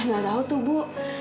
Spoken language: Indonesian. gak tahu tuh bu